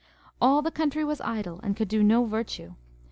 All the country was idle, and could do no virtue.